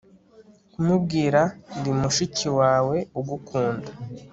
Kumubwira Ndi mushiki wawe ugukunda